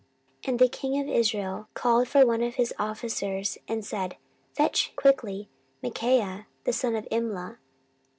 14:018:008 And the king of Israel called for one of his officers, and said, Fetch quickly Micaiah the son of Imla.